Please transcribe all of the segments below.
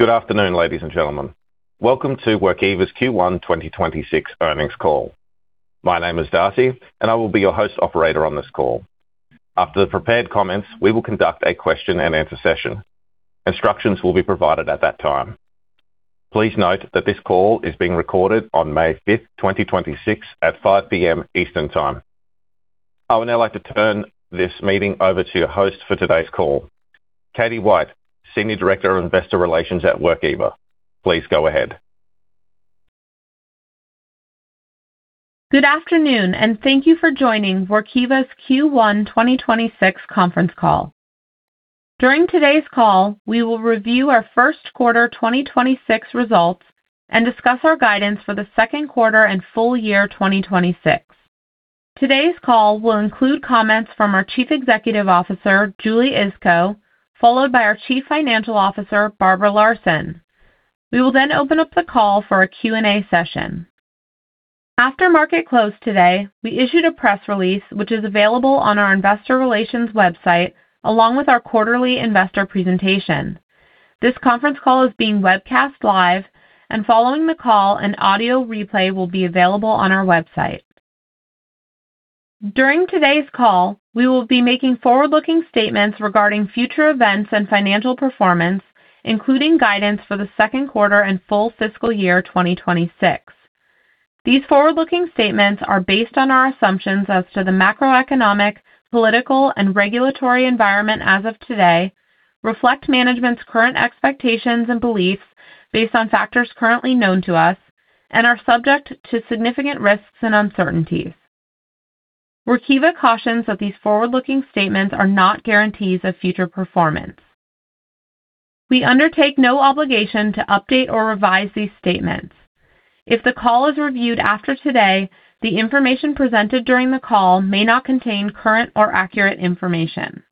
Good afternoon, ladies and gentlemen. Welcome to Workiva's Q1 2026 earnings call. My name is Darcy, and I will be your host operator on this call. After the prepared comments, we will conduct a question and answer session. Instructions will be provided at that time. Please note that this call is being recorded on 5th May 2026 at 5:00 P.M. Eastern Time. I would now like to turn this meeting over to your host for today's call, Katie White, Senior Director of Investor Relations at Workiva. Please go ahead. Good afternoon, and thank you for joining Workiva's Q1 2026 conference call. During today's call, we will review our first quarter 2026 results and discuss our guidance for the second quarter and full year 2026. Today's call will include comments from our Chief Executive Officer, Julie Iskow, followed by our Chief Financial Officer, Barbara Larson. We will then open up the call for a Q&A session. After market close today, we issued a press release, which is available on our investor relations website, along with our quarterly investor presentation. This conference call is being webcast live, and following the call, an audio replay will be available on our website. During today's call, we will be making forward-looking statements regarding future events and financial performance, including guidance for the second quarter and full fiscal year 2026. These forward-looking statements are based on our assumptions as to the macroeconomic, political, and regulatory environment as of today, reflect management's current expectations and beliefs based on factors currently known to us, and are subject to significant risks and uncertainties. Workiva cautions that these forward-looking statements are not guarantees of future performance. We undertake no obligation to update or revise these statements. If the call is reviewed after today, the information presented during the call may not contain current or accurate information.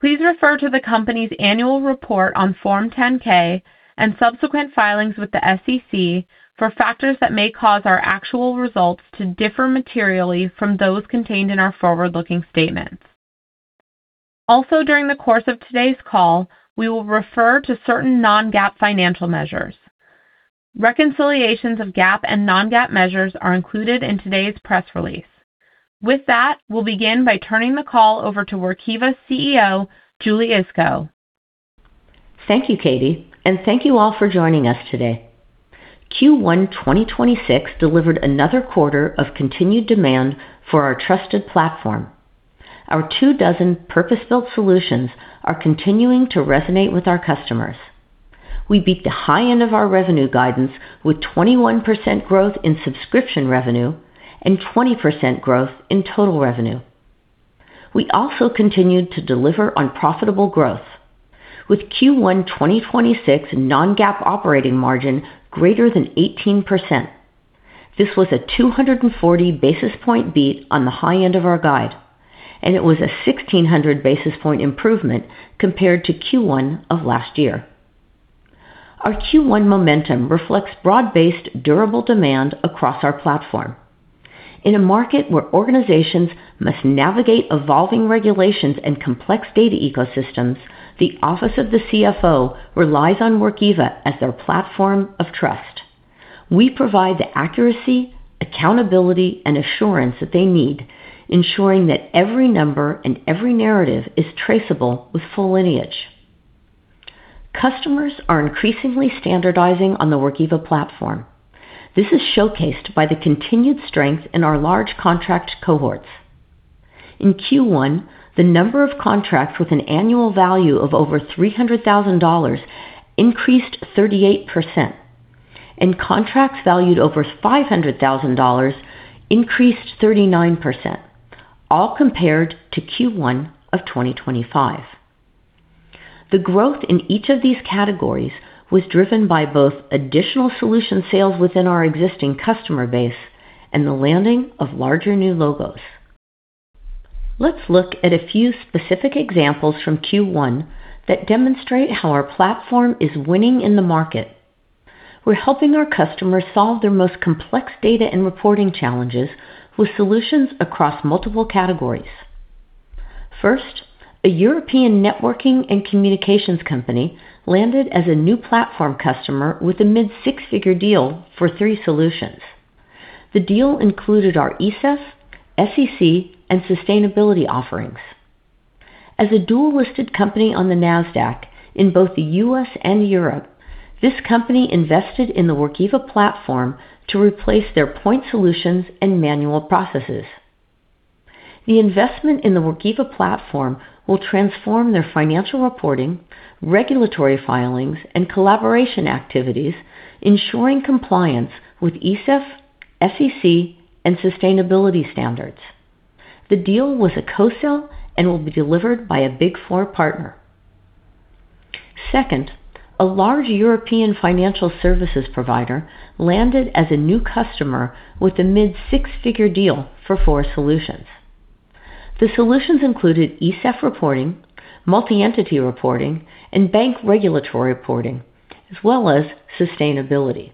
Please refer to the company's annual report on Form 10-K and subsequent filings with the SEC for factors that may cause our actual results to differ materially from those contained in our forward-looking statements. Also, during the course of today's call, we will refer to certain non-GAAP financial measures. Reconciliations of GAAP and non-GAAP measures are included in today's press release. With that, we'll begin by turning the call over to Workiva's CEO, Julie Iskow. Thank you, Katie, and thank you all for joining us today. Q1 2026 delivered another quarter of continued demand for our trusted platform. Our two dozen purpose-built solutions are continuing to resonate with our customers. We beat the high end of our revenue guidance with 21% growth in subscription revenue and 20% growth in total revenue. We also continued to deliver on profitable growth with Q1 2026 non-GAAP operating margin greater than 18%. This was a 240 basis point beat on the high end of our guide, and it was a 1,600 basis point improvement compared to Q1 of last year. Our Q1 momentum reflects broad-based durable demand across our platform. In a market where organizations must navigate evolving regulations and complex data ecosystems, the office of the CFO relies on Workiva as their platform of trust. We provide the accuracy, accountability, and assurance that they need, ensuring that every number and every narrative is traceable with full lineage. Customers are increasingly standardizing on the Workiva platform. This is showcased by the continued strength in our large contract cohorts. In Q1, the number of contracts with an annual value of over $300,000 increased 38% and contracts valued over $500,000 increased 39%, all compared to Q1 of 2025. The growth in each of these categories was driven by both additional solution sales within our existing customer base and the landing of larger new logos. Let's look at a few specific examples from Q1 that demonstrate how our platform is winning in the market. We're helping our customers solve their most complex data and reporting challenges with solutions across multiple categories. First, a European networking and communications company landed as a new platform customer with a mid-six-figure deal for three solutions. The deal included our ESEF, SEC, and sustainability offerings. As a dual-listed company on the Nasdaq in both the U.S. and Europe, this company invested in the Workiva platform to replace their point solutions and manual processes. The investment in the Workiva platform will transform their financial reporting, regulatory filings, and collaboration activities, ensuring compliance with ESEF, SEC, and sustainability standards. The deal was a co-sale and will be delivered by a Big Four partner. Second, a large European financial services provider landed as a new customer with a mid-six-figure deal for four solutions. The solutions included ESEF reporting, multi-entity reporting, and bank regulatory reporting, as well as sustainability.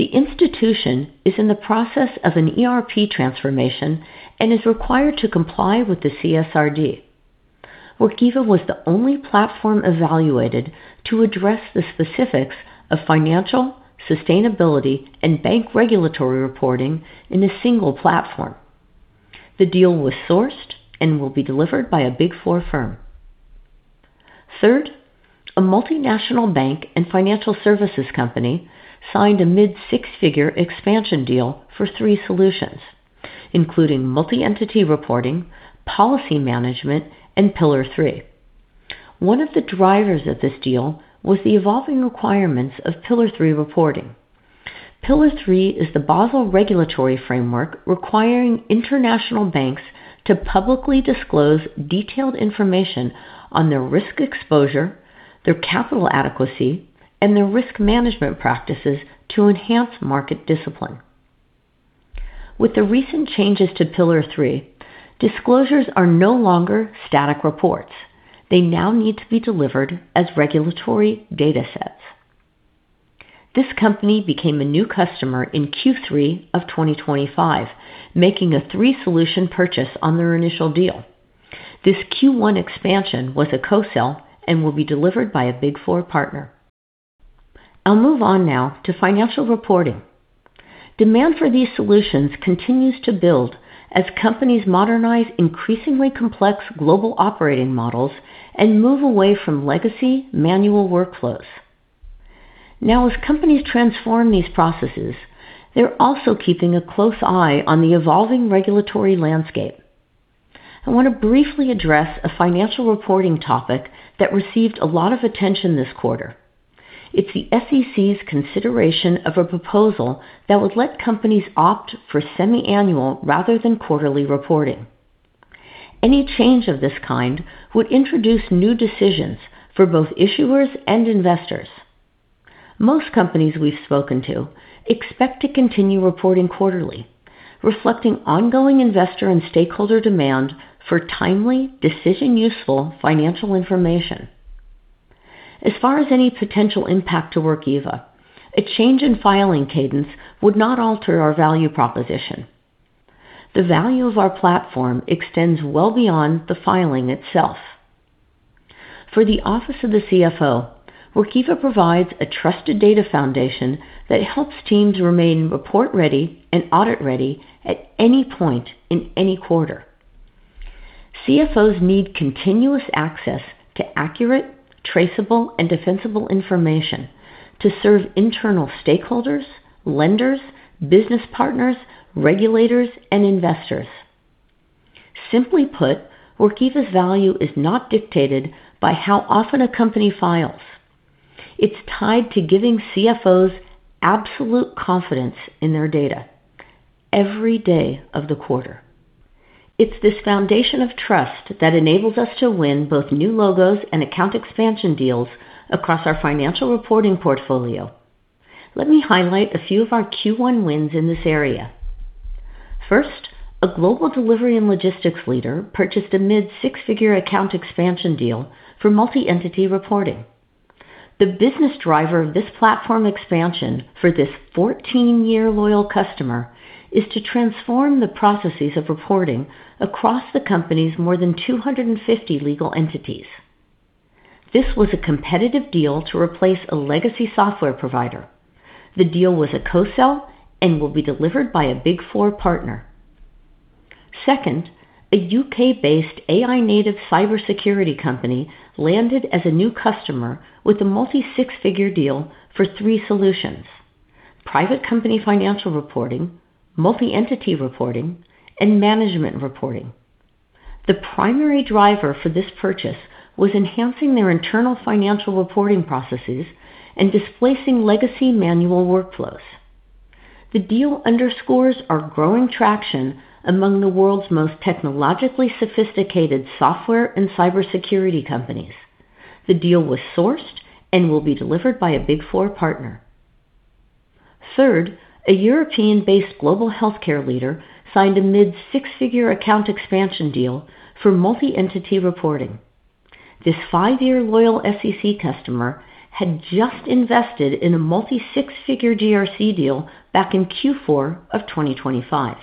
The institution is in the process of an ERP transformation and is required to comply with the CSRD. Workiva was the only platform evaluated to address the specifics of financial, sustainability, and bank regulatory reporting in a single platform. The deal was sourced and will be delivered by a Big Four firm. Third, a multinational bank and financial services company signed a mid-six-figure expansion deal for three solutions, including multi-entity reporting, policy management, and Pillar three. One of the drivers of this deal was the evolving requirements of Pillar three reporting. Pillar three is the Basel regulatory framework requiring international banks to publicly disclose detailed information on their risk exposure, their capital adequacy, and their risk management practices to enhance market discipline. With the recent changes to Pillar three, disclosures are no longer static reports. They now need to be delivered as regulatory data sets. This company became a new customer in Q3 of 2025, making a three solution purchase on their initial deal. This Q1 expansion was a co-sell and will be delivered by a Big Four partner. I'll move on now to financial reporting. Demand for these solutions continues to build as companies modernize increasingly complex global operating models and move away from legacy manual workflows. Now, as companies transform these processes, they're also keeping a close eye on the evolving regulatory landscape. I want to briefly address a financial reporting topic that received a lot of attention this quarter. It's the SEC's consideration of a proposal that would let companies opt for semiannual rather than quarterly reporting. Any change of this kind would introduce new decisions for both issuers and investors. Most companies we've spoken to expect to continue reporting quarterly, reflecting ongoing investor and stakeholder demand for timely decision useful financial information. As far as any potential impact to Workiva, a change in filing cadence would not alter our value proposition. The value of our platform extends well beyond the filing itself. For the office of the CFO, Workiva provides a trusted data foundation that helps teams remain report ready and audit ready at any point in any quarter. CFOs need continuous access to accurate, traceable, and defensible information to serve internal stakeholders, lenders, business partners, regulators, and investors. Simply put, Workiva's value is not dictated by how often a company files. It's tied to giving CFOs absolute confidence in their data every day of the quarter. It's this foundation of trust that enables us to win both new logos and account expansion deals across our financial reporting portfolio. Let me highlight a few of our Q1 wins in this area. First, a global delivery and logistics leader purchased a mid-six-figure account expansion deal for Multi-Entity Reporting. The business driver of this platform expansion for this 14-year loyal customer is to transform the processes of reporting across the company's more than 250 legal entities. This was a competitive deal to replace a legacy software provider. The deal was a co-sell and will be delivered by a Big Four partner. Second, a U.K.-based AI native cybersecurity company landed as a new customer with a multi-six-figure deal for three solutions, Private Company Financial Reporting, Multi-Entity Reporting, and Management Reporting. The primary driver for this purchase was enhancing their internal financial reporting processes and displacing legacy manual workflows. The deal underscores our growing traction among the world's most technologically sophisticated software and cybersecurity companies. The deal was sourced and will be delivered by a Big Four partner. Third, a European-based global healthcare leader signed a mid-six-figure account expansion deal for Multi-Entity Reporting. This five year loyal SEC customer had just invested in a multi-six-figure GRC deal back in Q4 of 2025.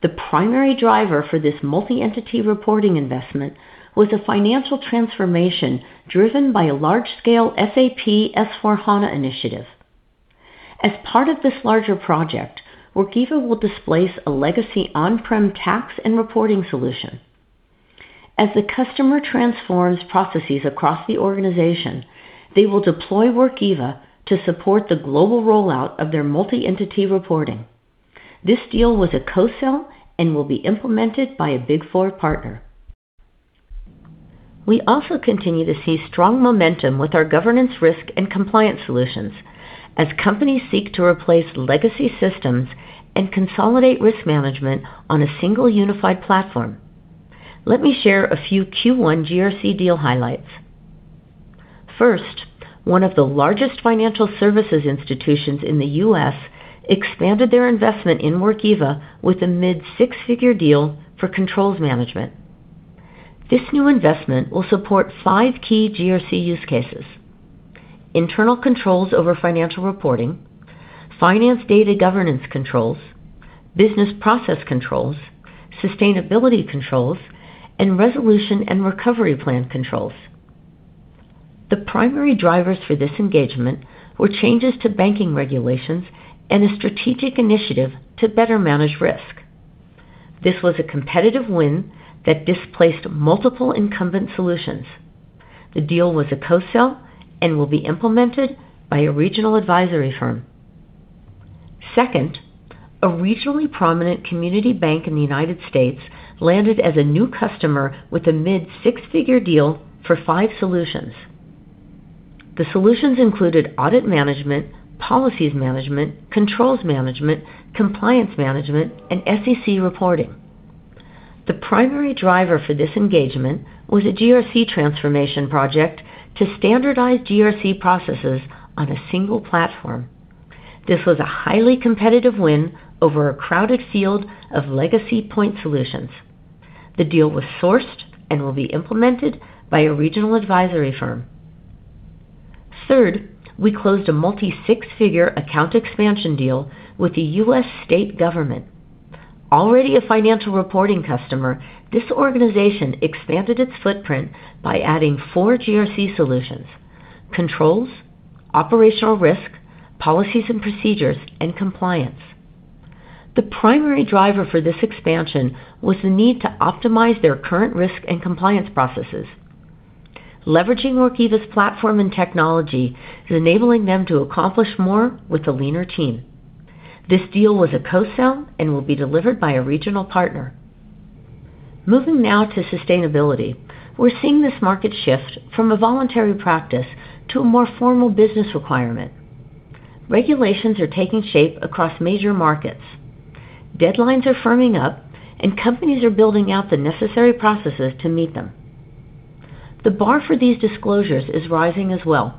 The primary driver for this Multi-Entity Reporting investment was a financial transformation driven by a large-scale SAP S/4HANA initiative. As part of this larger project, Workiva will displace a legacy on-prem tax and reporting solution. As the customer transforms processes across the organization, they will deploy Workiva to support the global rollout of their Multi-Entity Reporting. This deal was a co-sell and will be implemented by a Big Four partner. We also continue to see strong momentum with our governance, risk, and compliance solutions as companies seek to replace legacy systems and consolidate risk management on a single unified platform. Let me share a few Q1 GRC deal highlights. First, one of the largest financial services institutions in the U.S. expanded their investment in Workiva with a mid-six-figure deal for Controls Management. This new investment will support five key GRC use cases. Internal controls over financial reporting, finance data governance controls, business process controls, sustainability controls, and resolution and recovery plan controls. The primary drivers for this engagement were changes to banking regulations and a strategic initiative to better manage risk. This was a competitive win that displaced multiple incumbent solutions. The deal was a co-sell and will be implemented by a regional advisory firm. Second, a regionally prominent community bank in the United States landed as a new customer with a mid-six-figure deal for five solutions. The solutions included Audit Management, policies management, Controls Management, Compliance Management, and SEC Reporting. The primary driver for this engagement was a GRC transformation project to standardize GRC processes on a single platform. This was a highly competitive win over a crowded field of legacy point solutions. The deal was sourced and will be implemented by a regional advisory firm. Third, we closed a multi-six-figure account expansion deal with the U.S. state government. Already a financial reporting customer, this organization expanded its footprint by adding four GRC solutions: Controls, Operational Risk, Policies and Procedures, and Compliance. The primary driver for this expansion was the need to optimize their current risk and compliance processes. Leveraging Workiva's platform and technology is enabling them to accomplish more with a leaner team. This deal was a co-sell and will be delivered by a regional partner. Moving now to sustainability. We're seeing this market shift from a voluntary practice to a more formal business requirement. Regulations are taking shape across major markets. Deadlines are firming up, and companies are building out the necessary processes to meet them. The bar for these disclosures is rising as well.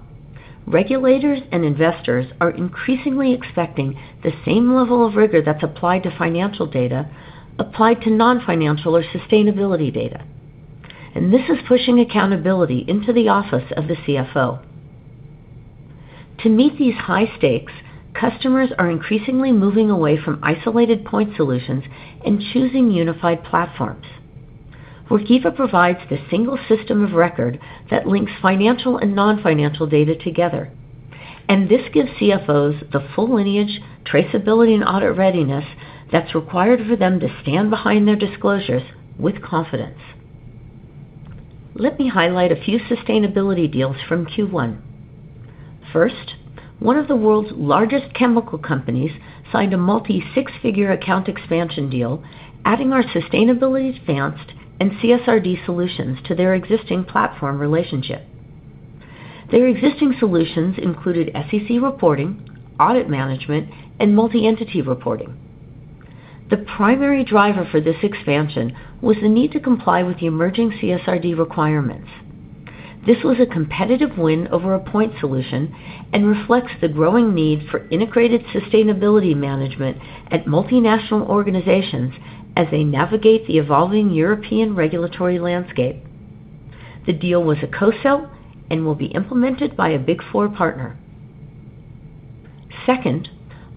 Regulators and investors are increasingly expecting the same level of rigor that's applied to financial data applied to non-financial or sustainability data. This is pushing accountability into the office of the CFO. To meet these high stakes, customers are increasingly moving away from isolated point solutions and choosing unified platforms. Workiva provides the single system of record that links financial and non-financial data together. This gives CFOs the full lineage, traceability, and audit readiness that's required for them to stand behind their disclosures with confidence. Let me highlight a few sustainability deals from Q1. First, one of the world's largest chemical companies signed a multi-six-figure account expansion deal, adding our Sustainability Advanced and CSRD solutions to their existing platform relationship. Their existing solutions included SEC Reporting, Audit Management, and Multi-Entity Reporting. The primary driver for this expansion was the need to comply with the emerging CSRD requirements. This was a competitive win over a point solution and reflects the growing need for integrated sustainability management at multinational organizations as they navigate the evolving European regulatory landscape. The deal was a co-sell and will be implemented by a Big Four partner. Second,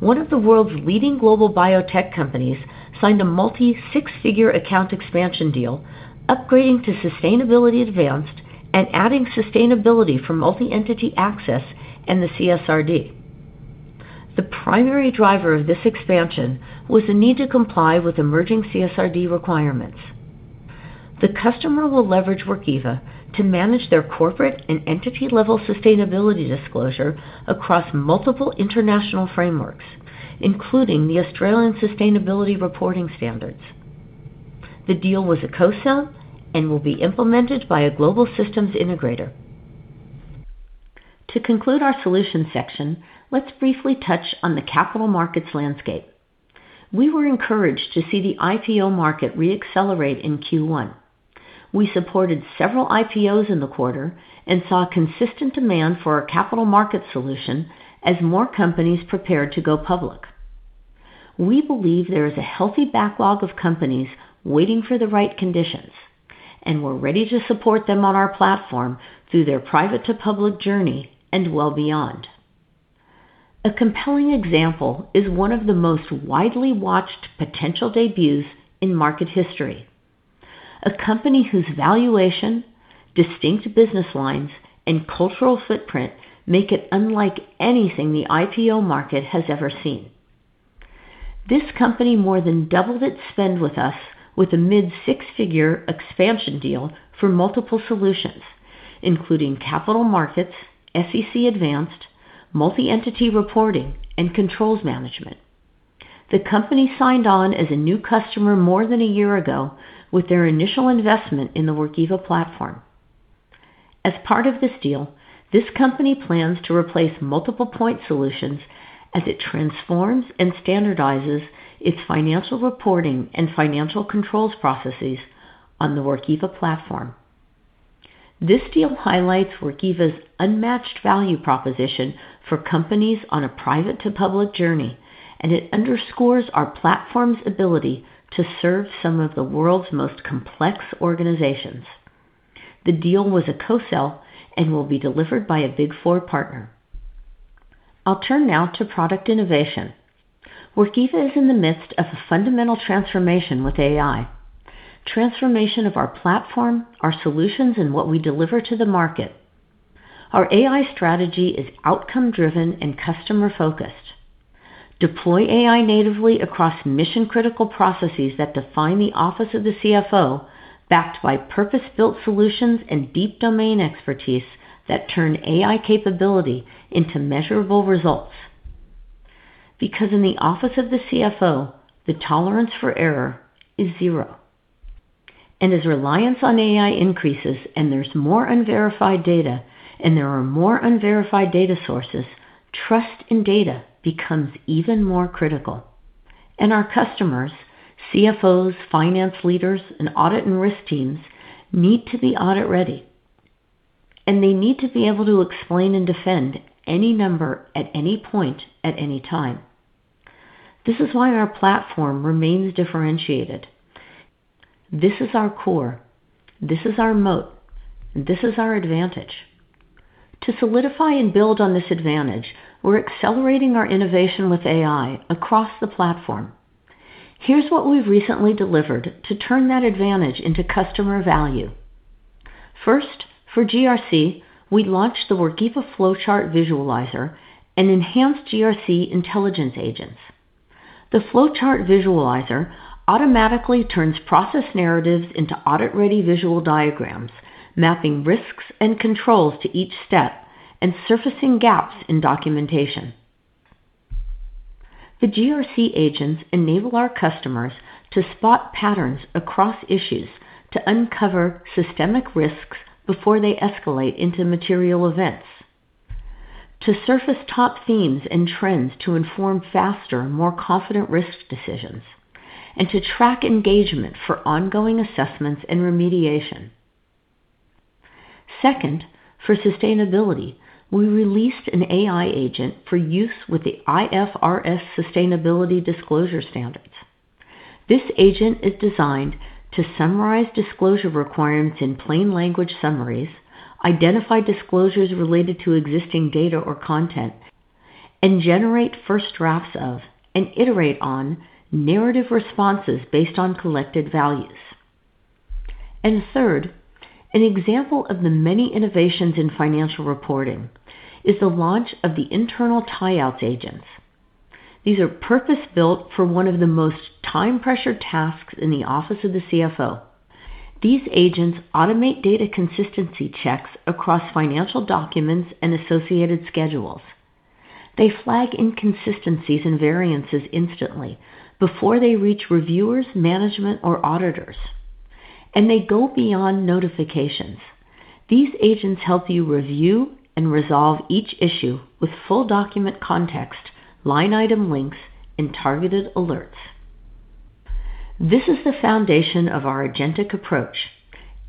one of the world's leading global biotech companies signed a multi six figure account expansion deal, upgrading to Sustainability Advanced and adding sustainability for multi-entity access and the CSRD. The primary driver of this expansion was the need to comply with emerging CSRD requirements. The customer will leverage Workiva to manage their corporate and entity-level sustainability disclosure across multiple international frameworks, including the Australian Sustainability Reporting Standards. The deal was a co-sell and will be implemented by a global systems integrator. To conclude our solutions section, let's briefly touch on the Capital Markets landscape. We were encouraged to see the IPO market re-accelerate in Q1. We supported several IPOs in the quarter and saw consistent demand for our Capital Markets solution as more companies prepared to go public. We believe there is a healthy backlog of companies waiting for the right conditions, and we're ready to support them on our platform through their private to public journey and well beyond. A compelling example is one of the most widely watched potential debuts in market history. A company whose valuation, distinct business lines, and cultural footprint make it unlike anything the IPO market has ever seen. This company more than doubled its spend with us with a mid-six-figure expansion deal for multiple solutions, including Capital Markets, SEC Advanced, Multi-Entity Reporting, and Controls Management. The company signed on as a new customer more than a year ago with their initial investment in the Workiva platform. As part of this deal, this company plans to replace multiple point solutions as it transforms and standardizes its financial reporting and financial controls processes on the Workiva platform. This deal highlights Workiva's unmatched value proposition for companies on a private-to-public journey, and it underscores our platform's ability to serve some of the world's most complex organizations. The deal was a co-sell and will be delivered by a Big Four partner. I'll turn now to product innovation. Workiva is in the midst of a fundamental transformation with AI. Transformation of our platform, our solutions, and what we deliver to the market. Our AI strategy is outcome-driven and customer-focused. Deploy AI natively across mission-critical processes that define the office of the CFO, backed by purpose-built solutions and deep domain expertise that turn AI capability into measurable results. In the office of the CFO, the tolerance for error is zero. As reliance on AI increases, and there's more unverified data, and there are more unverified data sources, trust in data becomes even more critical. Our customers, CFOs, finance leaders, and audit and risk teams need to be audit-ready, and they need to be able to explain and defend any number at any point at any time. This is why our platform remains differentiated. This is our core. This is our moat. This is our advantage. To solidify and build on this advantage, we're accelerating our innovation with AI across the platform. Here's what we've recently delivered to turn that advantage into customer value. First, for GRC, we launched the Workiva flowchart visualizer and enhanced GRC intelligence agents. The flowchart visualizer automatically turns process narratives into audit-ready visual diagrams, mapping risks and controls to each step and surfacing gaps in documentation. The GRC agents enable our customers to spot patterns across issues to uncover systemic risks before they escalate into material events, to surface top themes and trends to inform faster, more confident risk decisions, and to track engagement for ongoing assessments and remediation. Second, for sustainability, we released an AI agent for use with the IFRS sustainability disclosure standards. This agent is designed to summarize disclosure requirements in plain language summaries, identify disclosures related to existing data or content, and generate first drafts of and iterate on narrative responses based on collected values. Third, an example of the many innovations in financial reporting is the launch of the Internal Tie-Out Assistant. These are purpose-built for one of the most time-pressured tasks in the office of the CFO. These agents automate data consistency checks across financial documents and associated schedules. They flag inconsistencies and variances instantly before they reach reviewers, management, or auditors. They go beyond notifications. These agents help you review and resolve each issue with full document context, line item links, and targeted alerts. This is the foundation of our agentic approach.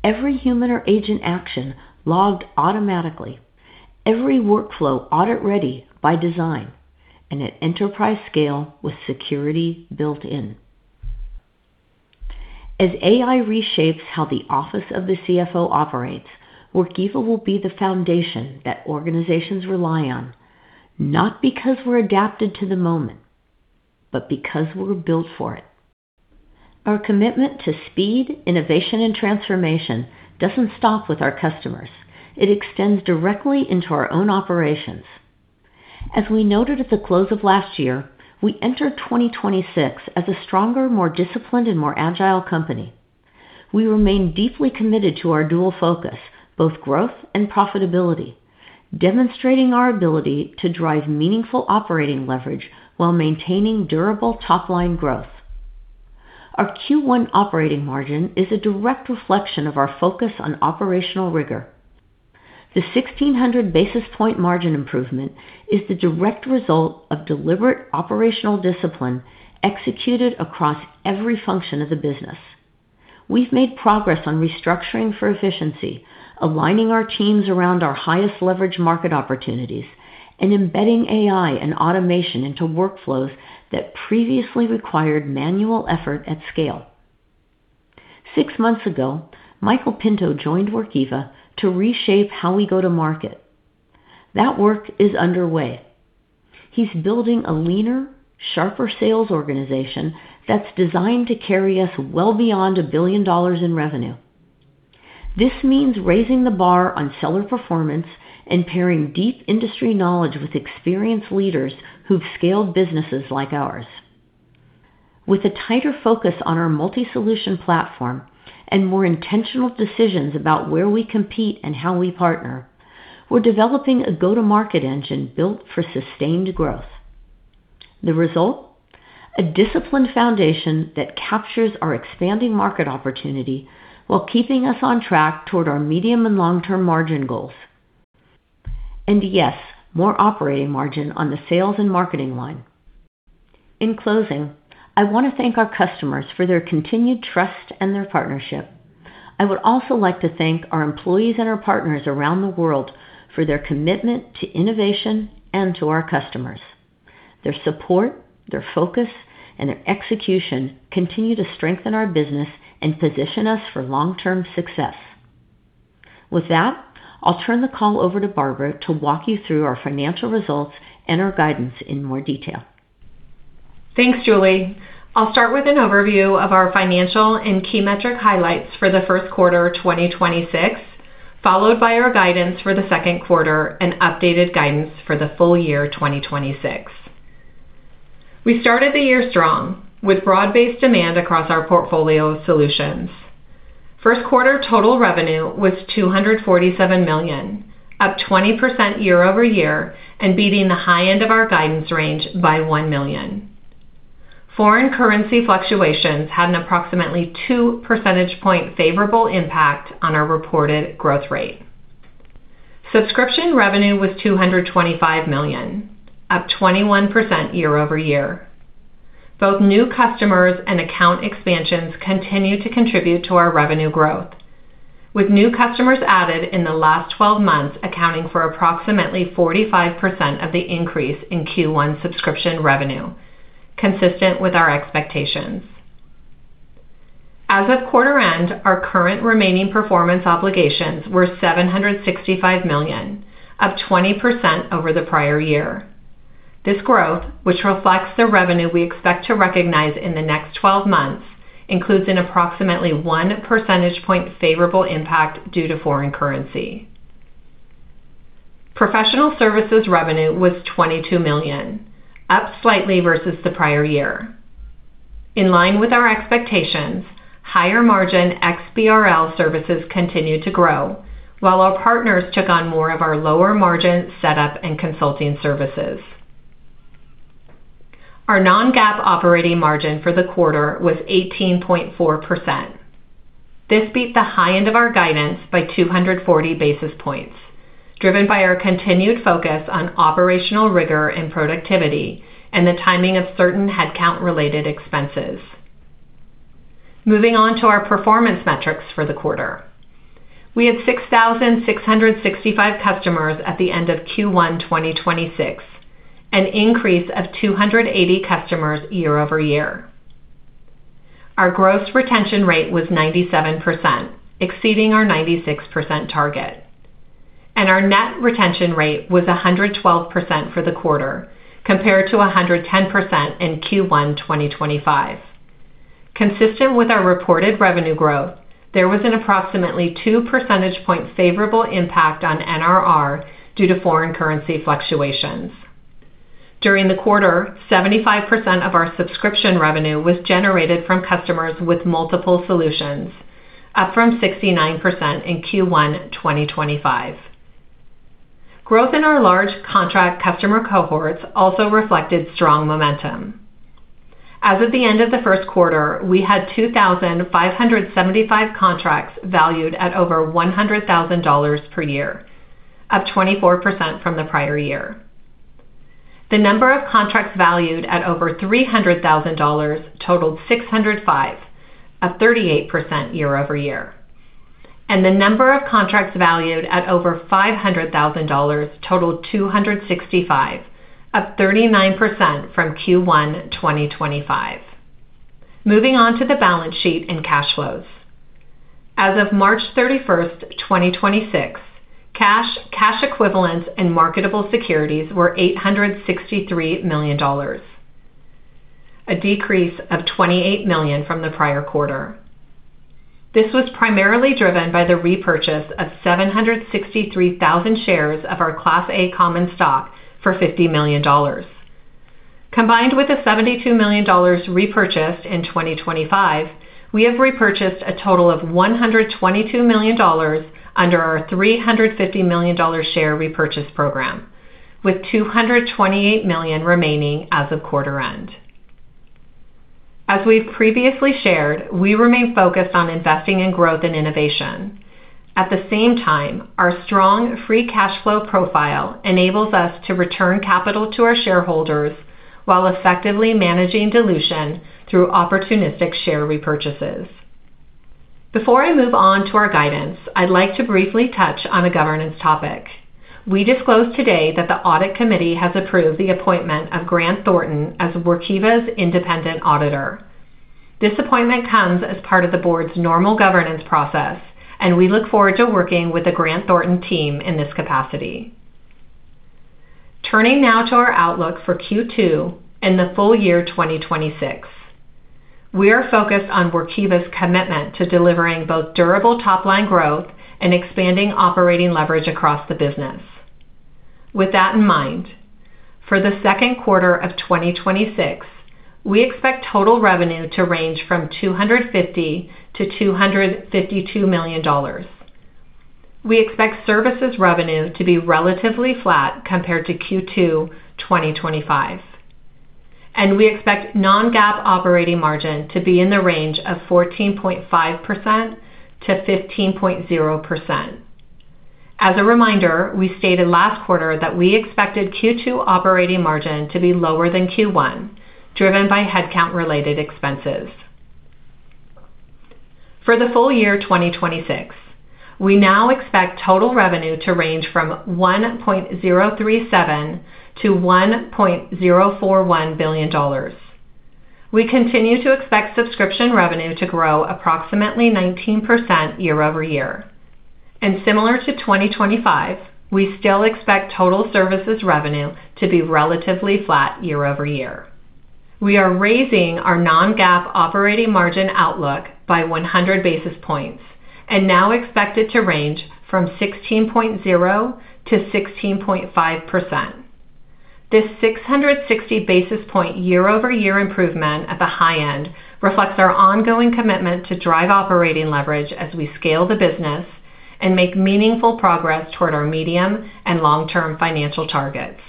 Every human or agent action logged automatically. Every workflow audit-ready by design and at enterprise scale with security built in. As AI reshapes how the office of the CFO operates, Workiva will be the foundation that organizations rely on, not because we're adapted to the moment, but because we were built for it. Our commitment to speed, innovation, and transformation doesn't stop with our customers. It extends directly into our own operations. As we noted at the close of last year, we enter 2026 as a stronger, more disciplined, and more agile company. We remain deeply committed to our dual focus, both growth and profitability, demonstrating our ability to drive meaningful operating leverage while maintaining durable top-line growth. Our Q1 operating margin is a direct reflection of our focus on operational rigor. The 1,600 basis point margin improvement is the direct result of deliberate operational discipline executed across every function of the business. We've made progress on restructuring for efficiency, aligning our teams around our highest leverage market opportunities, and embedding AI and automation into workflows that previously required manual effort at scale. six months ago, Michael Pinto joined Workiva to reshape how we go to market. That work is underway. He's building a leaner, sharper sales organization that's designed to carry us well beyond $1 billion in revenue. This means raising the bar on seller performance and pairing deep industry knowledge with experienced leaders who've scaled businesses like ours. With a tighter focus on our multi-solution platform and more intentional decisions about where we compete and how we partner, we're developing a go-to-market engine built for sustained growth. The result? A disciplined foundation that captures our expanding market opportunity while keeping us on track toward our medium and long-term margin goals. Yes, more operating margin on the sales and marketing line. In closing, I want to thank our customers for their continued trust and their partnership. I would also like to thank our employees and our partners around the world for their commitment to innovation and to our customers. Their support, their focus, and their execution continue to strengthen our business and position us for long-term success. With that, I'll turn the call over to Barbara to walk you through our financial results and our guidance in more detail. Thanks, Julie. I'll start with an overview of our financial and key metric highlights for the first quarter 2026, followed by our guidance for the second quarter and updated guidance for the full year 2026. We started the year strong with broad-based demand across our portfolio of solutions. First quarter total revenue was $247 million, up 20% year-over-year and beating the high end of our guidance range by $1 million. Foreign currency fluctuations had an approximately two percentage point favorable impact on our reported growth rate. Subscription revenue was $225 million, up 21% year-over-year. Both new customers and account expansions continue to contribute to our revenue growth, with new customers added in the last 12 months accounting for approximately 45% of the increase in Q1 subscription revenue, consistent with our expectations. As of quarter end, our current remaining performance obligations were $765 million, up 20% over the prior year. This growth, which reflects the revenue we expect to recognize in the next 12 months, includes an approximately one percentage point favorable impact due to foreign currency. Professional services revenue was $22 million, up slightly versus the prior year. In line with our expectations, higher margin XBRL services continued to grow while our partners took on more of our lower margin setup and consulting services. Our non-GAAP operating margin for the quarter was 18.4%. This beat the high end of our guidance by 240 basis points, driven by our continued focus on operational rigor and productivity and the timing of certain headcount-related expenses. Moving on to our performance metrics for the quarter. We had 6,665 customers at the end of Q1 2026, an increase of 280 customers year-over-year. Our gross retention rate was 97%, exceeding our 96% target. Our net retention rate was 112% for the quarter, compared to 110% in Q1 2025. Consistent with our reported revenue growth, there was an approximately two percentage point favorable impact on NRR due to foreign currency fluctuations. During the quarter, 75% of our subscription revenue was generated from customers with multiple solutions, up from 69% in Q1 2025. Growth in our large contract customer cohorts also reflected strong momentum. As of the end of the first quarter, we had 2,575 contracts valued at over $100,000 per year, up 24% from the prior year. The number of contracts valued at over $300,000 totaled 605, up 38% year-over-year. The number of contracts valued at over $500,000 totaled 265, up 39% from Q1 2025. Moving on to the balance sheet and cash flows. As of 31st March 2026, cash equivalents, and marketable securities were $863 million, a decrease of $28 million from the prior quarter. This was primarily driven by the repurchase of 763,000 shares of our Class A common stock for $50 million. Combined with the $72 million repurchased in 2025, we have repurchased a total of $122 million under our $350 million share repurchase program, with $228 million remaining as of quarter end. As we've previously shared, we remain focused on investing in growth and innovation. At the same time, our strong free cash flow profile enables us to return capital to our shareholders while effectively managing dilution through opportunistic share repurchases. Before I move on to our guidance, I'd like to briefly touch on a governance topic. We disclosed today that the audit committee has approved the appointment of Grant Thornton as Workiva's independent auditor. This appointment comes as part of the board's normal governance process, and we look forward to working with the Grant Thornton team in this capacity. Turning now to our outlook for Q2 and the full year 2026. We are focused on Workiva's commitment to delivering both durable top-line growth and expanding operating leverage across the business. With that in mind, for the second quarter of 2026, we expect total revenue to range from $250 million-$252 million. We expect services revenue to be relatively flat compared to Q2 2025. We expect non-GAAP operating margin to be in the range of 14.5%-15.0%. As a reminder, we stated last quarter that we expected Q2 operating margin to be lower than Q1, driven by headcount related expenses. For the full year 2026, we now expect total revenue to range from $1.037 billion-$1.041 billion. We continue to expect subscription revenue to grow approximately 19% year-over-year. Similar to 2025, we still expect total services revenue to be relatively flat year-over-year. We are raising our non-GAAP operating margin outlook by 100 basis points and now expect it to range from 16.0%-16.5%. This 660 basis point year-over-year improvement at the high end reflects our ongoing commitment to drive operating leverage as we scale the business and make meaningful progress toward our medium and long-term financial targets.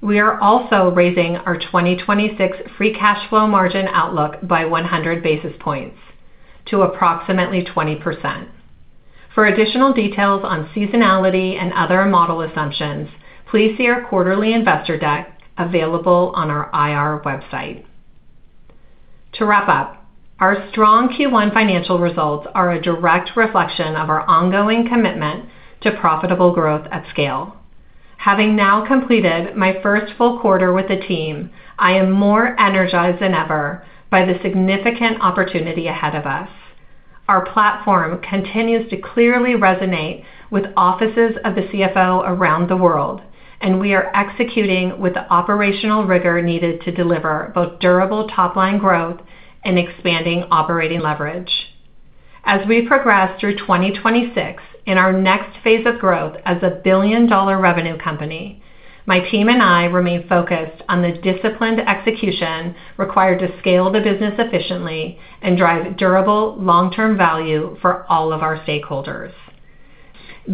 We are also raising our 2026 free cash flow margin outlook by 100 basis points to approximately 20%. For additional details on seasonality and other model assumptions, please see our quarterly investor deck available on our IR website. To wrap up, our strong Q1 financial results are a direct reflection of our ongoing commitment to profitable growth at scale. Having now completed my first full quarter with the team, I am more energized than ever by the significant opportunity ahead of us. Our platform continues to clearly resonate with offices of the CFO around the world, and we are executing with the operational rigor needed to deliver both durable top-line growth and expanding operating leverage. As we progress through 2026 in our next phase of growth as a billion-dollar revenue company, my team and I remain focused on the disciplined execution required to scale the business efficiently and drive durable long-term value for all of our stakeholders.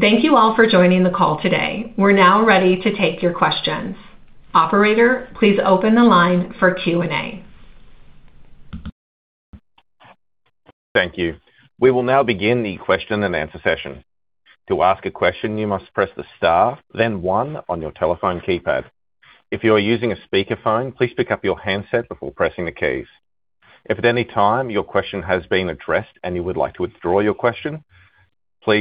Thank you all for joining the call today. We're now ready to take your questions. Operator, please open the line for Q&A. Thank you. We will now begin the question and answer session. Thank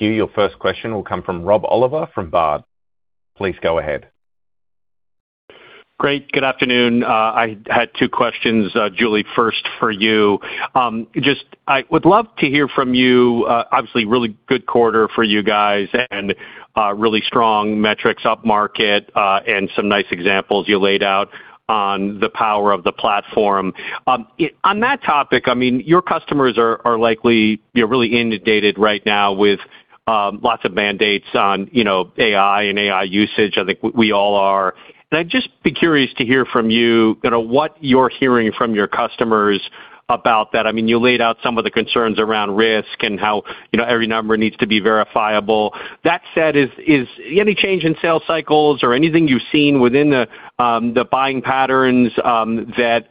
you. Your first question will come from Rob Oliver from Baird. Please go ahead. Great. Good afternoon. I had two questions, Julie, first for you. Just I would love to hear from you, obviously, really good quarter for you guys and really strong metrics upmarket and some nice examples you laid out on the power of the Workiva platform. On that topic, I mean, your customers are likely, you know, really inundated right now with lots of mandates on, you know, AI and AI usage. I think we all are. I'd just be curious to hear from you know, what you're hearing from your customers about that. I mean, you laid out some of the concerns around risk and how, you know, every number needs to be verifiable. That said, is any change in sales cycles or anything you've seen within the buying patterns that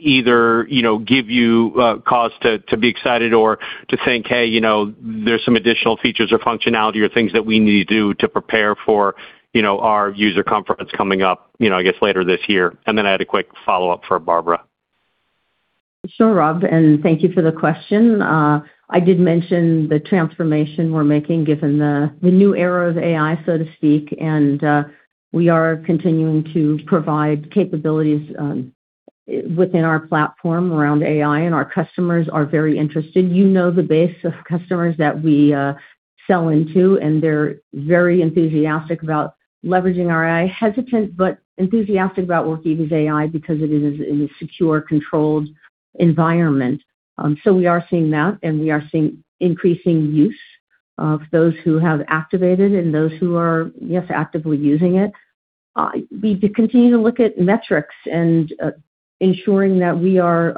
either, you know, give you cause to be excited or to think, "Hey, you know, there's some additional features or functionality or things that we need to do to prepare for, you know, our user conference coming up, you know, I guess later this year." I had a quick follow-up for Barbara. Sure, Rob, and thank you for the question. I did mention the transformation we're making given the new era of AI, so to speak. We are continuing to provide capabilities within our platform around AI, and our customers are very interested. You know the base of customers that we sell into, and they're very enthusiastic about leveraging our AI. Hesitant, but enthusiastic about working with AI because it is in a secure, controlled environment. We are seeing that, and we are seeing increasing use of those who have activated and those who are, yes, actively using it. We continue to look at metrics and ensuring that we are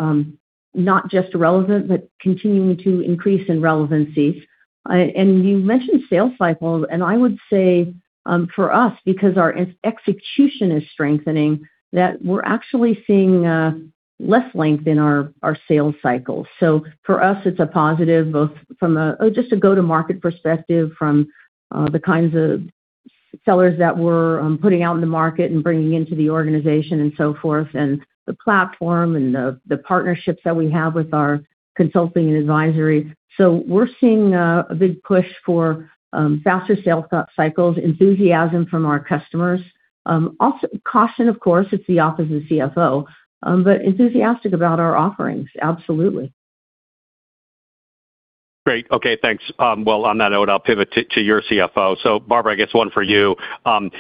not just relevant, but continuing to increase in relevancies. You mentioned sales cycles, I would say, for us, because our execution is strengthening, that we're actually seeing less length in our sales cycles. For us, it's a positive both from a just a go-to-market perspective from the kinds of sellers that we're putting out in the market and bringing into the organization and so forth, and the platform and the partnerships that we have with our consulting and advisory. We're seeing a big push for faster sales cycles, enthusiasm from our customers. Also caution, of course, it's the office of CFO, but enthusiastic about our offerings, absolutely. Great. Okay, thanks. Well, on that note, I'll pivot to your CFO. Barbara, I guess one for you. And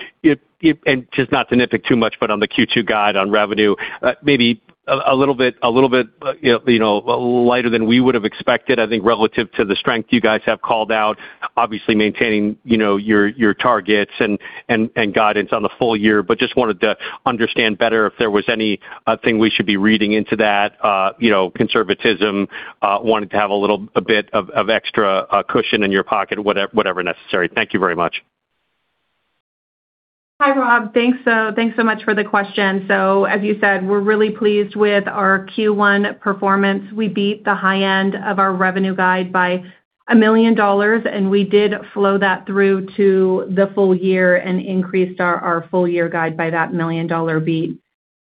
just not to nip it too much, but on the Q2 guide on revenue, maybe a little bit, you know, lighter than we would have expected, I think relative to the strength you guys have called out. Obviously maintaining, you know, your targets and guidance on the full year. Just wanted to understand better if there was anything we should be reading into that, you know, conservatism, wanting to have a little bit of extra cushion in your pocket, whatever necessary. Thank you very much. Hi, Rob. Thanks so much for the question. As you said, we're really pleased with our Q1 performance. We beat the high end of our revenue guide by $1 million, and we did flow that through to the full year and increased our full-year guide by that million-dollar beat.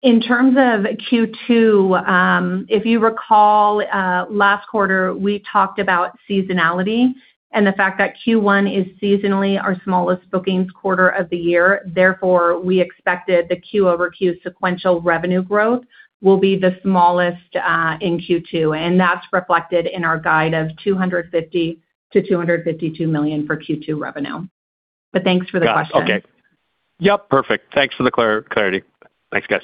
In terms of Q2, if you recall, last quarter, we talked about seasonality and the fact that Q1 is seasonally our smallest bookings quarter of the year. Therefore, we expected the Q over Q sequential revenue growth will be the smallest in Q2, and that's reflected in our guide of $250 million-$252 million for Q2 revenue. Thanks for the question. Got it. Okay. Yep, perfect. Thanks for the clarity. Thanks, guys.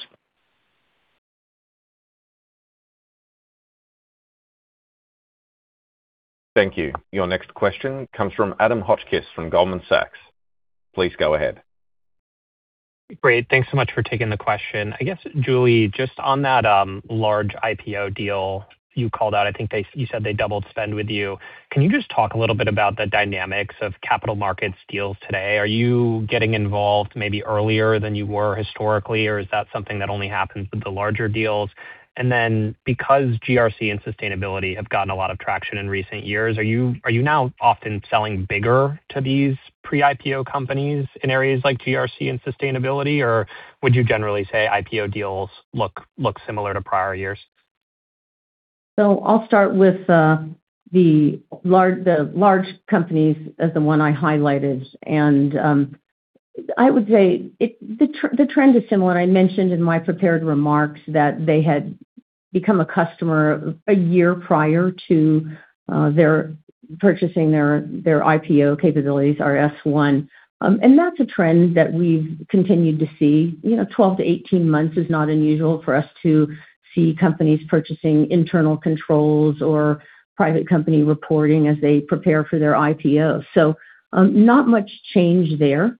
Thank you. Your next question comes from Adam Hotchkiss from Goldman Sachs. Please go ahead. Great. Thanks so much for taking the question. I guess, Julie, just on that, large IPO deal you called out, you said they doubled spend with you. Can you just talk a little bit about the dynamics of Capital Markets deals today? Are you getting involved maybe earlier than you were historically, or is that something that only happens with the larger deals? Because GRC and sustainability have gotten a lot of traction in recent years, are you now often selling bigger to these pre-IPO companies in areas like GRC and sustainability? Or would you generally say IPO deals look similar to prior years? I'll start with the large companies as the one I highlighted. I would say the trend is similar. I mentioned in my prepared remarks that they had become a customer a year prior to their purchasing their IPO capabilities, our S-1. That's a trend that we've continued to see. You know, 12-18 months is not unusual for us to see companies purchasing internal controls or private company reporting as they prepare for their IPO. Not much change there.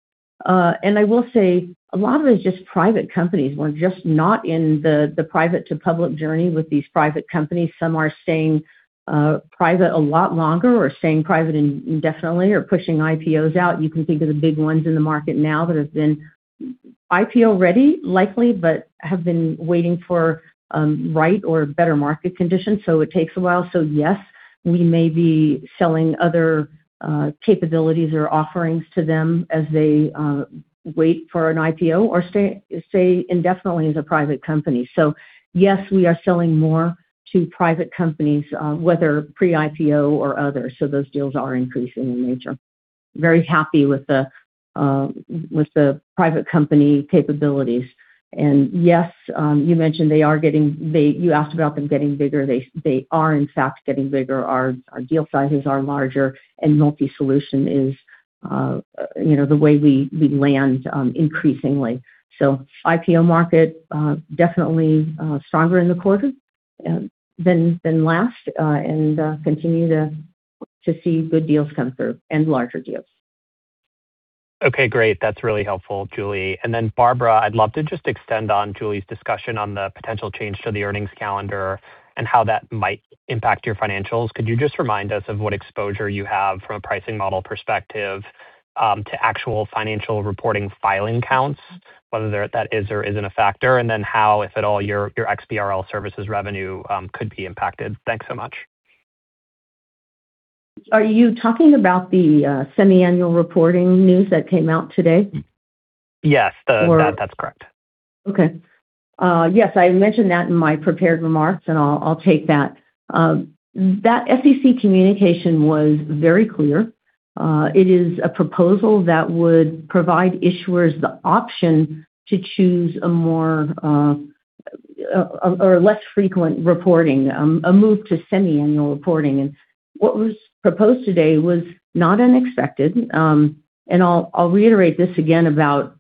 I will say a lot of it is just private companies. We're just not in the private to public journey with these private companies. Some are staying private a lot longer or staying private indefinitely or pushing IPOs out. You can think of the big ones in the market now that have been IPO ready, likely, but have been waiting for right or better market conditions, so it takes a while. Yes, we may be selling other capabilities or offerings to them as they wait for an IPO or stay indefinitely as a private company. Yes, we are selling more to private companies, whether pre-IPO or other. Those deals are increasing in nature. Very happy with the private company capabilities. Yes, you mentioned they are getting. You asked about them getting bigger. They are in fact getting bigger. Our deal sizes are larger and multi-solution is, you know, the way we land increasingly. IPO market definitely stronger in the quarter than last and continue to see good deals come through and larger deals. Okay, great. That's really helpful, Julie. Barbara, I'd love to just extend on Julie's discussion on the potential change to the earnings calendar and how that might impact your financials. Could you just remind us of what exposure you have from a pricing model perspective, to actual financial reporting filing counts, whether that is or isn't a factor? How, if at all, your XBRL services revenue could be impacted? Thanks so much. Are you talking about the semi-annual reporting news that came out today? Yes. Or- That's correct. Okay. Yes, I mentioned that in my prepared remarks, and I'll take that. That SEC communication was very clear. It is a proposal that would provide issuers the option to choose a more or less frequent reporting, a move to semi-annual reporting. What was proposed today was not unexpected. I'll reiterate this again about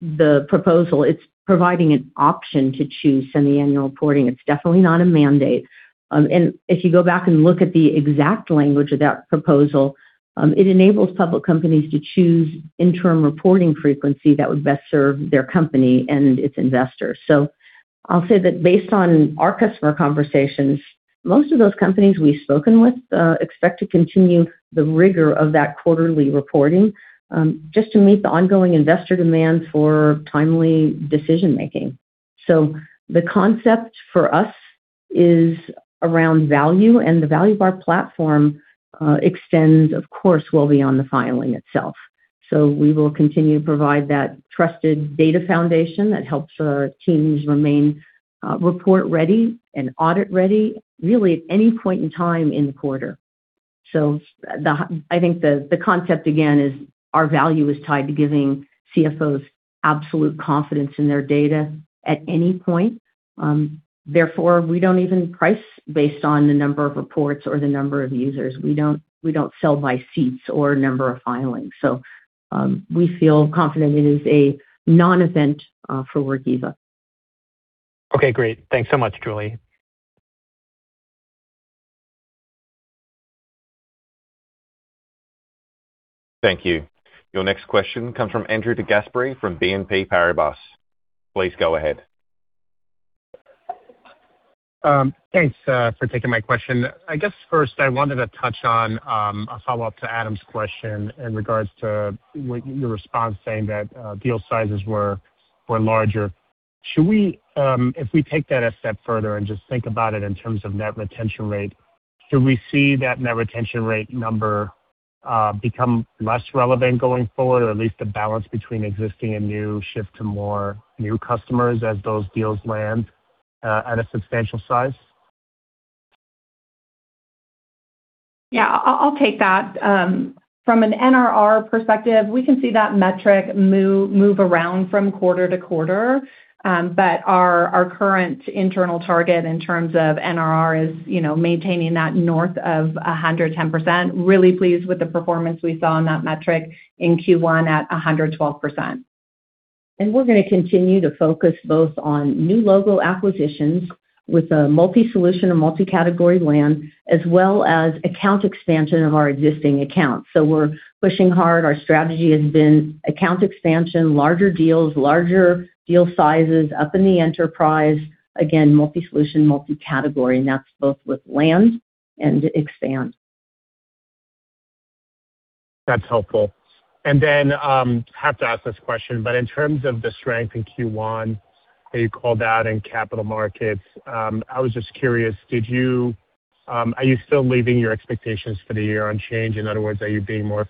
the proposal. It's providing an option to choose semi-annual reporting. It's definitely not a mandate. If you go back and look at the exact language of that proposal, it enables public companies to choose interim reporting frequency that would best serve their company and its investors. I'll say that based on our customer conversations, most of those companies we've spoken with expect to continue the rigor of that quarterly reporting just to meet the ongoing investor demand for timely decision-making. The concept for us is around value, and the value of our platform extends, of course, well beyond the filing itself. We will continue to provide that trusted data foundation that helps our teams remain report ready and Audit ready really at any point in time in the quarter. I think the concept again is our value is tied to giving CFOs absolute confidence in their data at any point. Therefore, we don't even price based on the number of reports or the number of users. We don't sell by seats or number of filings. We feel confident it is a non-event for Workiva. Okay, great. Thanks so much, Julie. Thank you. Your next question comes from Andrew DeGasperi from BNP Paribas. Please go ahead. Thanks for taking my question. I guess first I wanted to touch on a follow-up to Adam's question in regards to your response saying that deal sizes were larger. Should we, if we take that a step further and just think about it in terms of net retention rate, should we see that net retention rate number become less relevant going forward, or at least the balance between existing and new shift to more new customers as those deals land at a substantial size? Yeah. I'll take that. From an NRR perspective, we can see that metric move around from quarter to quarter. But our current internal target in terms of NRR is, you know, maintaining that north of 110%. Really pleased with the performance we saw on that metric in Q1 at 112%. We're gonna continue to focus both on new logo acquisitions with a multi-solution and multi-category land, as well as account expansion of our existing accounts. We're pushing hard. Our strategy has been account expansion, larger deals, larger deal sizes up in the enterprise. Again, multi-solution, multi-category, and that's both with land and expand. That's helpful. Have to ask this question, but in terms of the strength in Q1 that you called out in Capital Markets, I was just curious, are you still leaving your expectations for the year unchanged? Are you being more,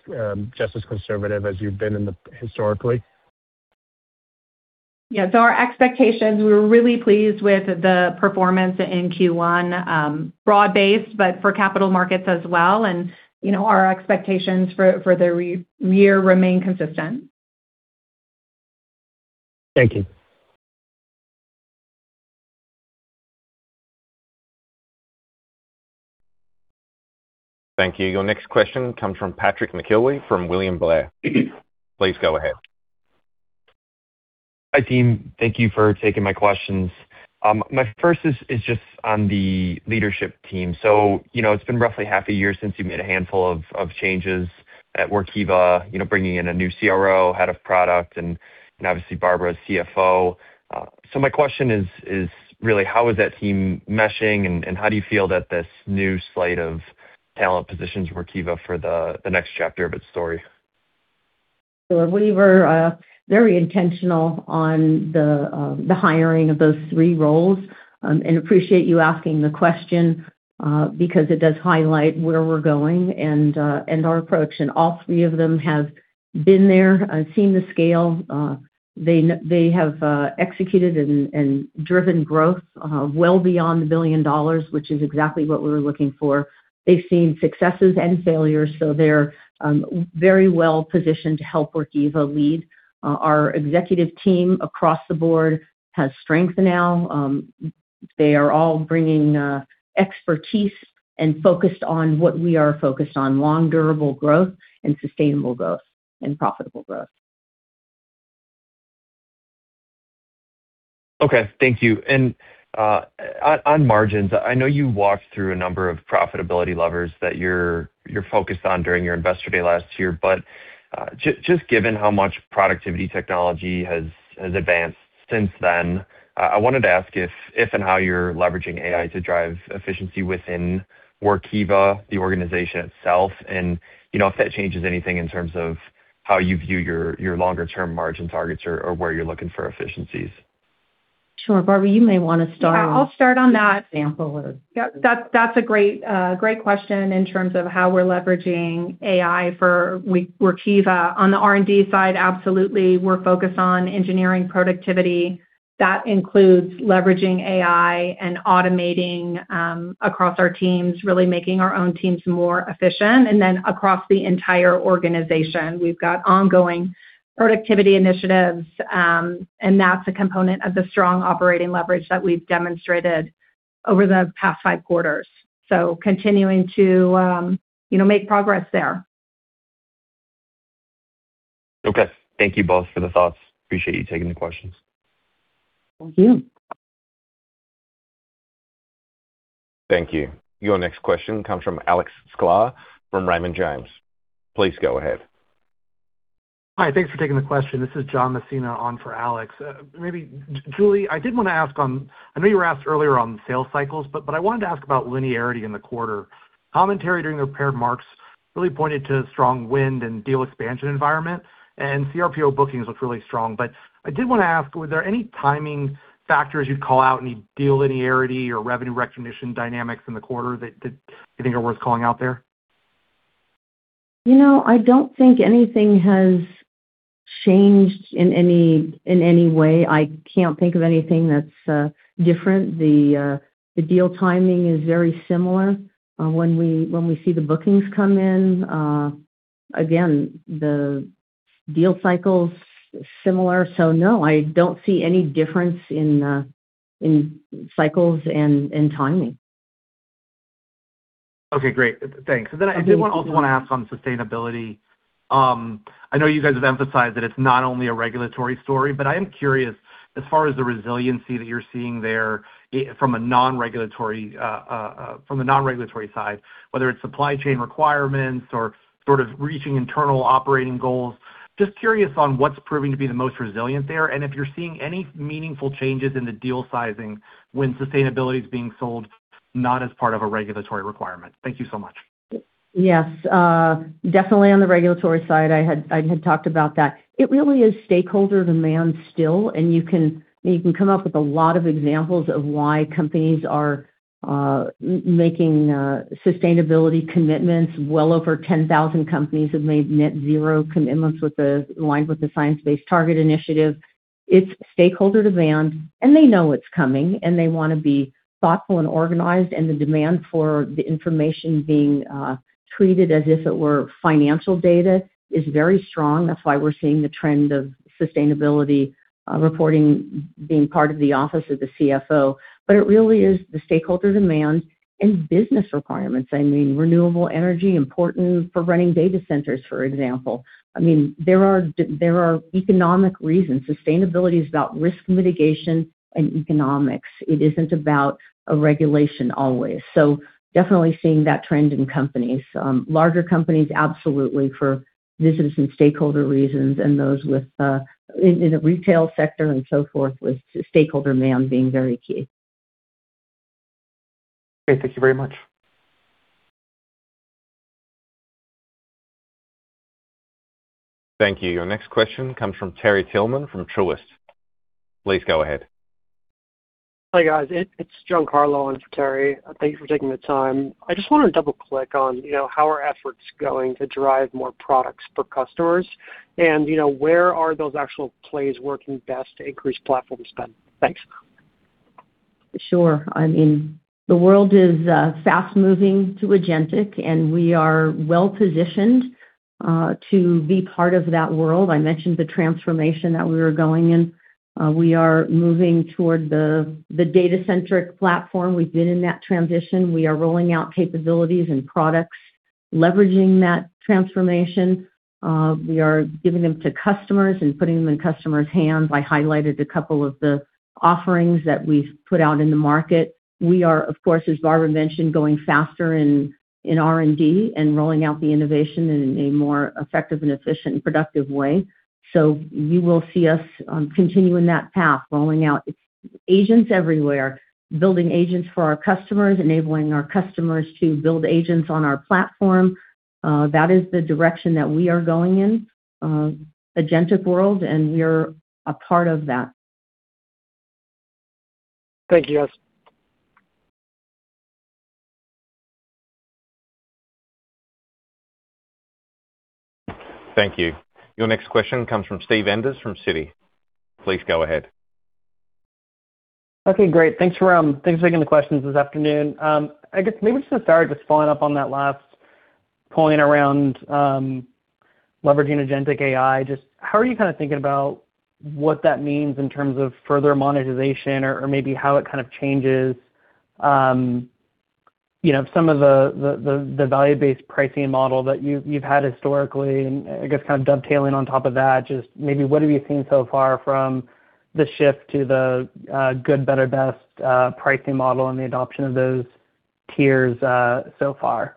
just as conservative as you've been in the historically? Yeah. Our expectations, we're really pleased with the performance in Q1, broad-based, but for Capital Markets as well. You know, our expectations for the year remain consistent. Thank you. Thank you. Your next question comes from Patrick McIlwee from William Blair. Please go ahead. Hi, team. Thank you for taking my questions. My first is just on the leadership team. You know, it's been roughly half a year since you've made a handful of changes at Workiva, you know, bringing in a new CRO, head of product, and obviously Barbara's CFO. My question is really how is that team meshing, and how do you feel that this new slate of talent positions Workiva for the next chapter of its story? We were very intentional on the hiring of those three roles. Appreciate you asking the question because it does highlight where we're going and our approach. All three of them have been there, seen the scale. They have executed and driven growth well beyond $1 billion, which is exactly what we were looking for. They've seen successes and failures, they're very well positioned to help Workiva lead. Our executive team across the board has strength now. They are all bringing expertise and focused on what we are focused on, long durable growth and sustainable growth and profitable growth. Okay. Thank you. On margins, I know you walked through a number of profitability levers that you're focused on during your Investor Day last year, just given how much productivity technology has advanced since then, I wanted to ask if and how you're leveraging AI to drive efficiency within Workiva, the organization itself, and, you know, if that changes anything in terms of how you view your longer term margin targets or where you're looking for efficiencies. Sure. Barbara, you may wanna start- Yeah, I'll start on that. with an example of Yeah, that's a great question in terms of how we're leveraging AI for Workiva. On the R&D side, absolutely, we're focused on engineering productivity. That includes leveraging AI and automating across our teams, really making our own teams more efficient. Across the entire organization, we've got ongoing productivity initiatives, and that's a component of the strong operating leverage that we've demonstrated over the past five quarters. Continuing to, you know, make progress there. Okay. Thank you both for the thoughts. Appreciate you taking the questions. Thank you. Thank you. Your next question comes from Alexander Sklar from Raymond James. Please go ahead. Hi. Thanks for taking the question. This is John Messina on for Alex. Maybe Julie, I did wanna ask on I know you were asked earlier on sales cycles, but I wanted to ask about linearity in the quarter. Commentary during the prepared marks really pointed to strong wind and deal expansion environment, and CRPO bookings looked really strong. I did wanna ask, were there any timing factors you'd call out, any deal linearity or revenue recognition dynamics in the quarter that you think are worth calling out there? You know, I don't think anything has changed in any, in any way. I can't think of anything that's different. The deal timing is very similar when we, when we see the bookings come in. Again, Deal cycles similar. No, I don't see any difference in cycles and timing. Okay, great. Thanks. I also wanna ask on sustainability. I know you guys have emphasized that it's not only a regulatory story, but I am curious, as far as the resiliency that you're seeing there from a non-regulatory side, whether it's supply chain requirements or sort of reaching internal operating goals. Just curious on what's proving to be the most resilient there, and if you're seeing any meaningful changes in the deal sizing when sustainability is being sold, not as part of a regulatory requirement. Thank you so much. Yes. Definitely on the regulatory side, I had talked about that. It really is stakeholder demand still, you can come up with a lot of examples of why companies are making sustainability commitments. Well over 10,000 companies have made net zero commitments aligned with the Science-Based Target Initiative. It's stakeholder demand, and they know it's coming, and they wanna be thoughtful and organized, and the demand for the information being treated as if it were financial data is very strong. That's why we're seeing the trend of sustainability reporting being part of the office of the CFO. It really is the stakeholder demand and business requirements. I mean, renewable energy, important for running data centers, for example. I mean, there are economic reasons. Sustainability is about risk mitigation and economics. It isn't about a regulation always. Definitely seeing that trend in companies, larger companies, absolutely for business and stakeholder reasons and those with in the retail sector and so forth, with stakeholder demand being very key. Okay. Thank you very much. Thank you. Your next question comes from Terry Tillman from Truist. Please go ahead. Hi, guys. It's John Carlo in for Terry. Thank you for taking the time. I just wanna double-click on, you know, how are efforts going to drive more products for customers. You know, where are those actual plays working best to increase platform spend? Thanks. Sure. I mean, the world is fast-moving to agentic, and we are well-positioned to be part of that world. I mentioned the transformation that we were going in. We are moving toward the data-centric platform. We've been in that transition. We are rolling out capabilities and products, leveraging that transformation. We are giving them to customers and putting them in customers' hands. I highlighted a couple of the offerings that we've put out in the market. We are, of course, as Barbara mentioned, going faster in R&D and rolling out the innovation in a more effective and efficient and productive way. You will see us continue in that path, rolling out agents everywhere, building agents for our customers, enabling our customers to build agents on our platform. That is the direction that we are going in, agentic world, and we're a part of that. Thank you, guys. Thank you. Your next question comes from Steve Enders from Citi. Please go ahead. Okay, great. Thanks for taking the questions this afternoon. I guess maybe just to start with following up on that last point around leveraging agentic AI. Just how are you kinda thinking about what that means in terms of further monetization or maybe how it kind of changes, you know, some of the value-based pricing model that you've had historically? I guess kind of dovetailing on top of that, just maybe what have you seen so far from the shift to the good, better, best pricing model and the adoption of those tiers so far?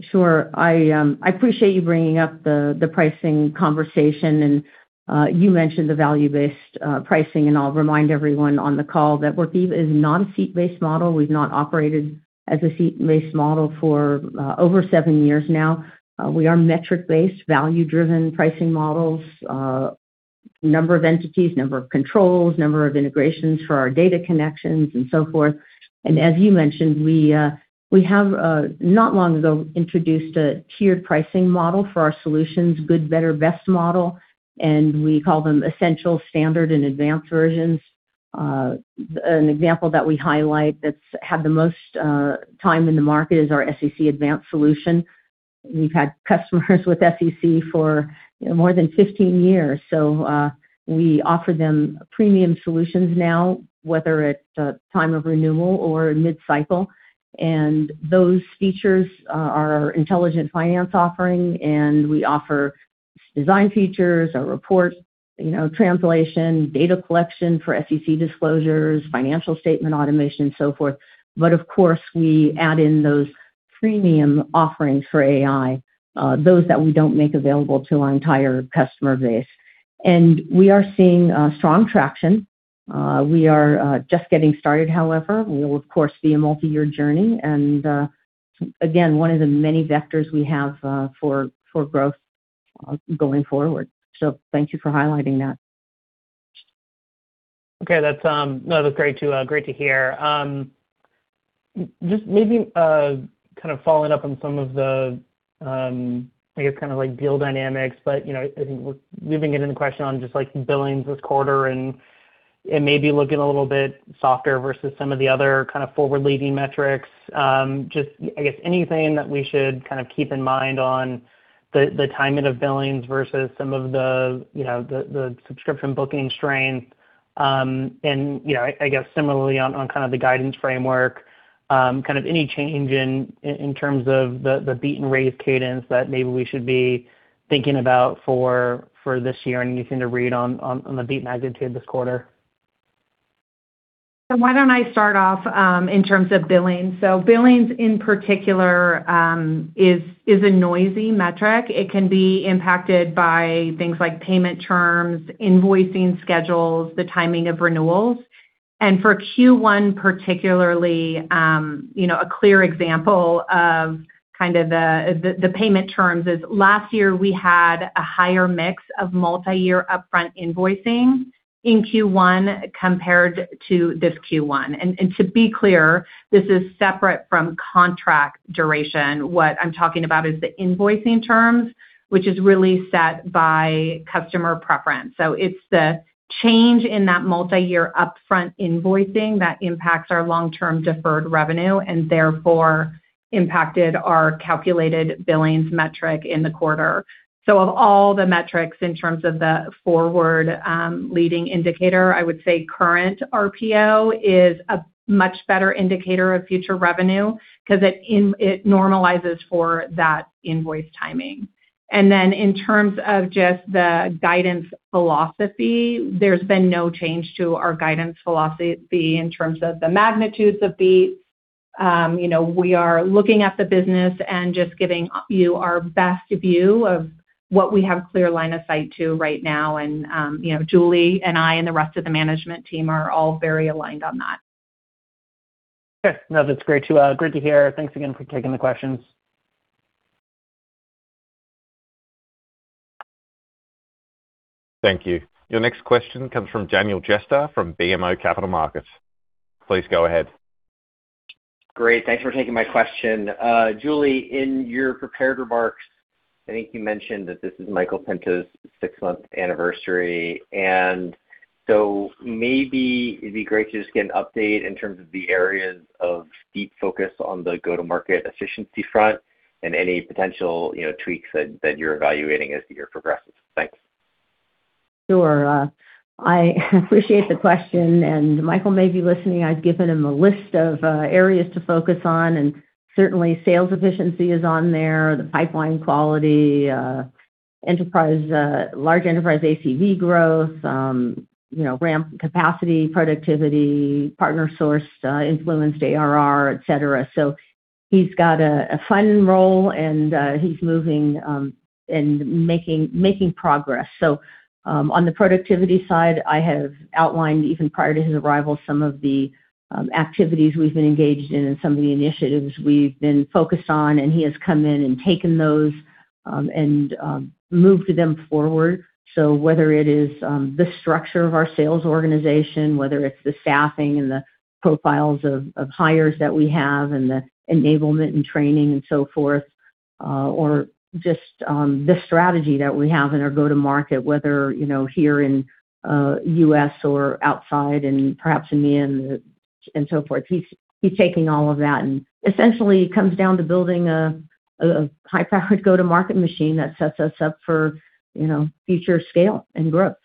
Sure. I appreciate you bringing up the pricing conversation, you mentioned the value-based pricing, and I'll remind everyone on the call that Workiva is non-seat-based model. We've not operated as a seat-based model for over seven years now. We are metric-based, value-driven pricing models. Number of entities, number of controls, number of integrations for our data connections and so forth. As you mentioned, we have not long ago, introduced a tiered pricing model for our solutions, good, better, best model, and we call them essential, standard, and advanced versions. An example that we highlight that's had the most time in the market is our SEC Advanced solution. We've had customers with SEC for, you know, more than 15 years. We offer them premium solutions now, whether it's at time of renewal or mid-cycle. Those features are Intelligent Finance offering, and we offer design features or report, you know, translation, data collection for SEC disclosures, financial statement automation, so forth. Of course, we add in those premium offerings for AI, those that we don't make available to our entire customer base. We are seeing strong traction. We are just getting started, however. We will, of course, be a multi-year journey and again, one of the many vectors we have for growth going forward. Thank you for highlighting that. Okay. That's No, that's great to great to hear. Just maybe kind of following up on some of the I guess kind of like deal dynamics, but, you know, I think we're weaving it into question on just like billings this quarter. It may be looking a little bit softer versus some of the other kind of forward-leading metrics. Just, I guess anything that we should kind of keep in mind on the timing of billings versus some of the, you know, the subscription booking strength. You know, I guess similarly on kind of the guidance framework, kind of any change in terms of the beat and raise cadence that maybe we should be thinking about for this year, anything to read on the beat magnitude this quarter. Why don't I start off in terms of billing. Billings in particular is a noisy metric. It can be impacted by things like payment terms, invoicing schedules, the timing of renewals. For Q1 particularly, you know, a clear example of kind of the payment terms is last year we had a higher mix of multi-year upfront invoicing in Q1 compared to this Q1. To be clear, this is separate from contract duration. What I'm talking about is the invoicing terms, which is really set by customer preference. It's the change in that multi-year upfront invoicing that impacts our long-term deferred revenue, and therefore impacted our calculated billings metric in the quarter. Of all the metrics in terms of the forward, leading indicator, I would say current RPO is a much better indicator of future revenue 'cause it normalizes for that invoice timing. In terms of just the guidance philosophy, there's been no change to our guidance philosophy in terms of the magnitudes of beats. You know, we are looking at the business and just giving you our best view of what we have clear line of sight to right now. You know, Julie and I and the rest of the management team are all very aligned on that. No, that's great to great to hear. Thanks again for taking the questions. Thank you. Your next question comes from Daniel Jester from BMO Capital Markets. Please go ahead. Great. Thanks for taking my question. Julie, in your prepared remarks, I think you mentioned that this is Michael Pinto's six-month anniversary. Maybe it'd be great to just get an update in terms of the areas of deep focus on the go-to-market efficiency front and any potential, you know, tweaks that you're evaluating as the year progresses. Thanks. Sure. I appreciate the question, and Michael may be listening. I've given him a list of areas to focus on, and certainly sales efficiency is on there, the pipeline quality, enterprise, large enterprise ACV growth, you know, ramp capacity, productivity, partner source, influenced ARR, et cetera. He's got a fun role, and he's moving and making progress. On the productivity side, I have outlined even prior to his arrival some of the activities we've been engaged in and some of the initiatives we've been focused on, and he has come in and taken those and moved them forward. Whether it is the structure of our sales organization, whether it's the staffing and the profiles of hires that we have and the enablement and training and so forth, or just the strategy that we have in our go-to-market, whether, you know, here in U.S. or outside and perhaps in the end and so forth. He's taking all of that and essentially comes down to building a high-powered go-to-market machine that sets us up for, you know, future scale and growth.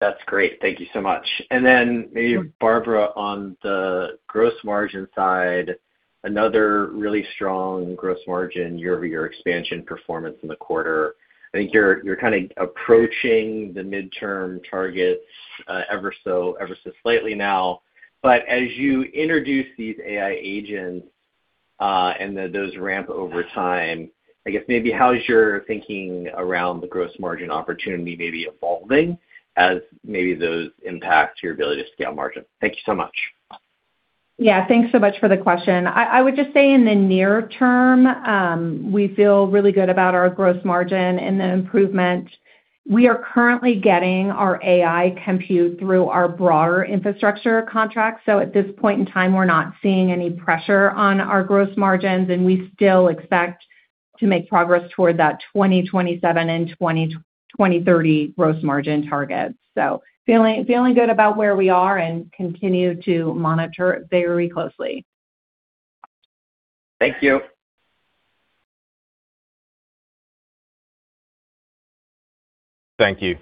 That's great. Thank you so much. Then maybe Barbara, on the gross margin side, another really strong gross margin year-over-year expansion performance in the quarter. I think you're kinda approaching the midterm targets, ever so slightly now. As you introduce these AI agents, and those ramp over time, I guess maybe how is your thinking around the gross margin opportunity maybe evolving as maybe those impact your ability to scale margin? Thank you so much. Thanks so much for the question. I would just say in the near term, we feel really good about our gross margin and the improvement. We are currently getting our AI compute through our broader infrastructure contracts. At this point in time, we're not seeing any pressure on our gross margins, and we still expect to make progress toward that 2027 and 2030 gross margin targets. Feeling good about where we are and continue to monitor very closely. Thank you. Thank you.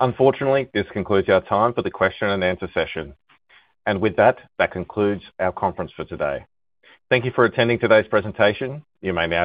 Unfortunately, this concludes our time for the question and answer session. With that concludes our conference for today. Thank you for attending today's presentation. You may now disconnect.